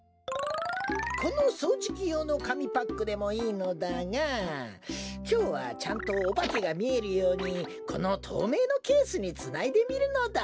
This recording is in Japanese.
このそうじきようのかみパックでもいいのだがきょうはちゃんとおばけがみえるようにこのとうめいのケースにつないでみるのだ。